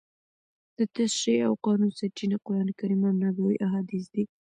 د تشریع او قانون سرچینه قرانکریم او نبوي احادیث دي.